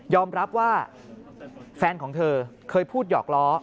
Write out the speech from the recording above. รับว่าแฟนของเธอเคยพูดหยอกล้อ